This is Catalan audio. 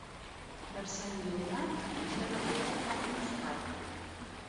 Per Sant Lleonard, ja no queda cap moscard.